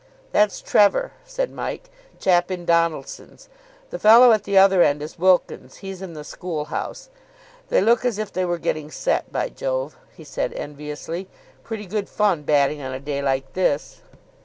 "That's Trevor," said Mike. "Chap in Donaldson's. The fellow at the other end is Wilkins. He's in the School House. They look as if they were getting set. By Jove," he said enviously, "pretty good fun batting on a day like this."